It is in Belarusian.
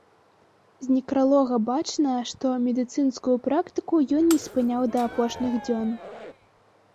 З некралога бачна, што медыцынскую практыку ён не спыняў да апошніх дзён.